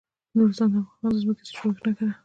نورستان د افغانستان د ځمکې د جوړښت نښه ده.